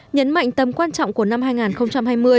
nhấn mạnh tầm quan trọng của năm hai nghìn hai mươi